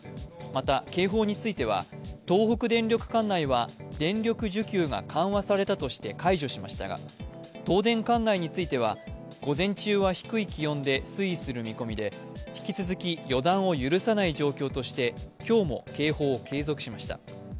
また、警報については東北電力管内は電力需給が緩和されたとして解除されましたが東電管内については午前中は低い気温で推移する見込みで引き続き予断を許さない状況として、今日も警報を継続しました。